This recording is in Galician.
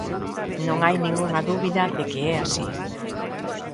Non hai ningunha dúbida de que é así.